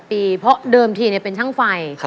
ปีเพราะเดิมทีเป็นช่างไฟ